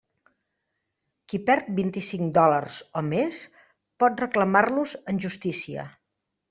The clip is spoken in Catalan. Qui perdi vint-i-cinc dòlars o més, pot reclamar-los en justícia.